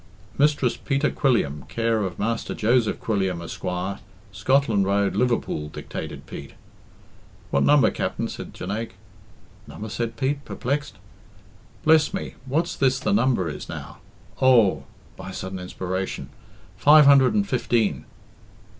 "Mistress Peter Quilliam, care of Master Joseph Quilliam, Esquire, Scotland Road, Liverpool" dictated Pete. "What number, Capt'n?" said Jonaique. "Number?" said Pete, perplexed. "Bless me, what's this the number is now? Oh," by a sudden inspiration, "five hundred and fifteen."